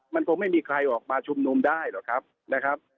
มันก็ไม่มีใครออกมาชุมนุมได้หรอกครับ